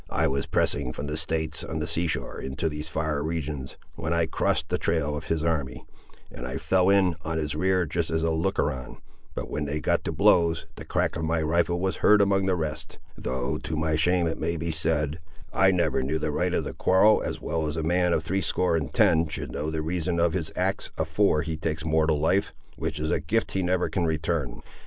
"I was passing from the States on the sea shore into these far regions, when I cross'd the trail of his army, and I fell in, on his rear, just as a looker on; but when they got to blows, the crack of my rifle was heard among the rest, though to my shame it may be said, I never knew the right of the quarrel as well as a man of threescore and ten should know the reason of his acts afore he takes mortal life, which is a gift he never can return!"